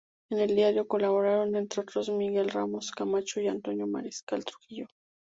En el diario colaboraron, entre otros, Miguel Ramos Camacho o Antonio Mariscal Trujillo.